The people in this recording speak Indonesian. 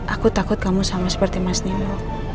aku takut kamu sama seperti mas nimu